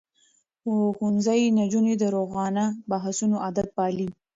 ښوونځی نجونې د روښانه بحثونو عادت پالي.